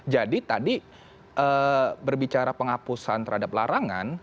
jadi tadi berbicara penghapusan terhadap larangan